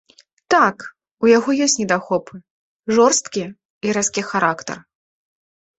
Так, у яго ёсць недахопы, жорсткі і рэзкі характар.